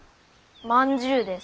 まんじゅうです。